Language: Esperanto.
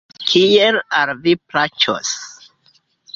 Kiel al vi plaĉos.